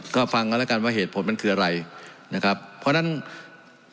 ก็ฟังกันแล้วกันว่าเหตุผลมันคืออะไรนะครับเพราะฉะนั้น